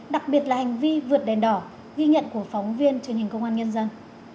đặc biệt là hành vi vượt đèn đỏ ghi nhận của phóng viên truyền hình công an nhân dân